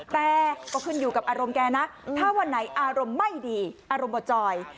แต่ก็ขึ้นอยู่กับอารมณ์แกนะถ้าวันไหนอารมณ์ไม่ดีอารมณ์บ่จอย